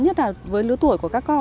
nhất là với lứa tuổi của các con